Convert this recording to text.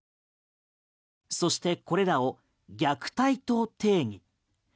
そしてこれらを虐待と定義。